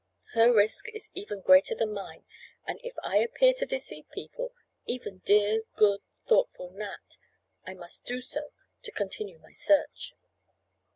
Her risk is even greater than mine and if I appear to deceive people—even dear, good, thoughtful Nat,—I must do so to continue my search."